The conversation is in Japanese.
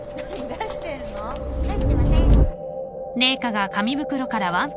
出してません